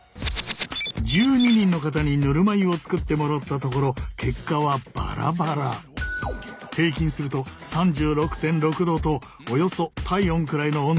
１２人の方にぬるま湯を作ってもらったところ結果はバラバラ。平均すると３６．６℃とおよそ体温くらいの温度になった。